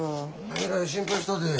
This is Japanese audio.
えらい心配したで。